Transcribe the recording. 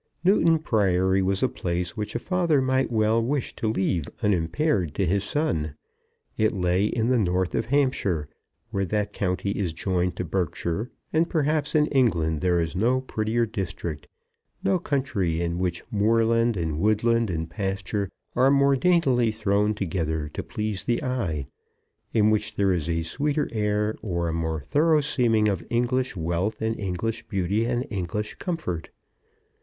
Newton Priory was a place which a father might well wish to leave unimpaired to his son. It lay in the north of Hampshire, where that county is joined to Berkshire; and perhaps in England there is no prettier district, no country in which moorland and woodland and pasture are more daintily thrown together to please the eye, in which there is a sweeter air, or a more thorough seeming of English wealth and English beauty and English comfort.